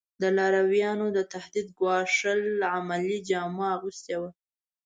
د لارویانو د تهدید ګواښل عملي جامه اغوستې وه.